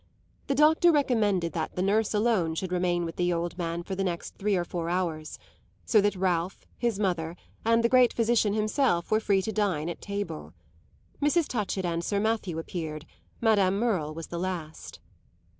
The doctor recommended that the nurse alone should remain with the old man for the next three or four hours; so that Ralph, his mother and the great physician himself were free to dine at table. Mrs. Touchett and Sir Matthew appeared; Madame Merle was the last.